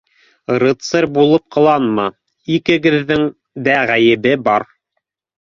— Рыцарь булып ҡыланма, икегеҙҙең дә ғәйебе бар!